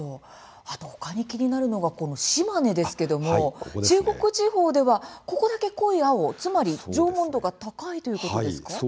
他に気になるのが島根ですけども、中国地方ではここだけ濃い青、つまり縄文度が高いということですか？